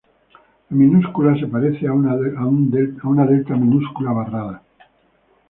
La minúscula se parece a una delta minúscula barrada.